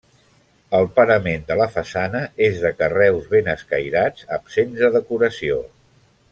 El parament de la façana és de carreus ben escairats, absents de decoració.